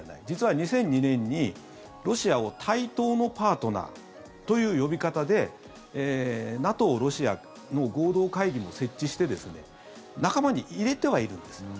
実は２００２年に、ロシアを対等のパートナーという呼び方でＮＡＴＯ・ロシアの合同会議も設置して仲間に入れてはいるんです。